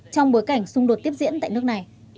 trong bối cảnh xung đột tiếp diễn tại nước này